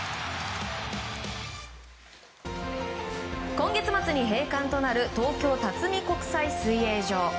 今月末に閉館となる東京辰巳国際水泳場。